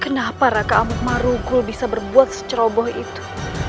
kenapa raka amuk marugul bisa berbuat seceroboh itu